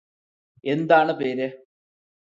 എന്താണ് പേര്?